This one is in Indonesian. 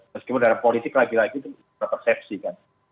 meskipun dalam politik lagi lagi itu persepsi kan